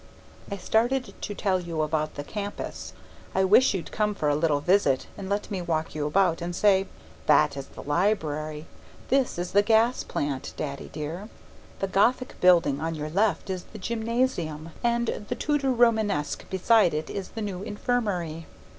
I started to tell you about the campus. I wish you'd come for a little visit and let me walk you about and say: 'That is the library. This is the gas plant, Daddy dear. The Gothic building on your left is the gymnasium, and the Tudor Romanesque beside it is the new infirmary.'